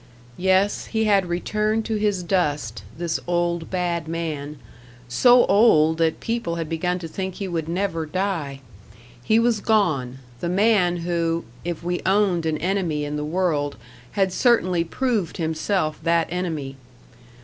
Yes, he had returned to his dust, this old bad man; so old, that people had begun to think he would never die. He was gone; the man who, if we owned an enemy in the world, had certainly proved himself that enemy.